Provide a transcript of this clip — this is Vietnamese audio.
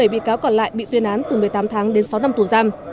một mươi bị cáo còn lại bị tuyên án từ một mươi tám tháng đến sáu năm tù giam